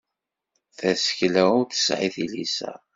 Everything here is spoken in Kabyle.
Tasekla ur tesɛi tilisa.